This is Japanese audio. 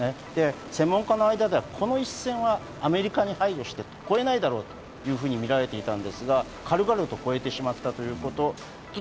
専門家の間ではこの一線はアメリカに配慮して越えないんだろうと見られていたんですが、軽々と越えてしまったということ。